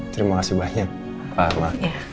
terima kasih banyak pak arma